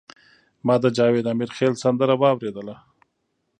ما د جاوید امیرخیل سندره واوریده.